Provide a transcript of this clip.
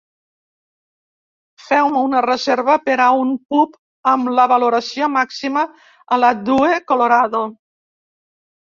Feu-me una reserva per a un pub amb la valoració màxima a Ladue, Colorado